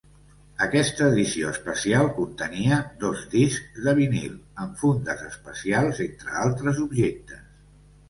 Aquesta edició especial contenia dos discs de vinil amb fundes especials entre altres objectes.